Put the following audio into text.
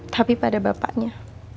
tapi pada bapaknya